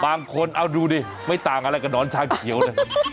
บางคนเอาดูดิไม่ต่างอะไรกับหนอนชามเขียวเลย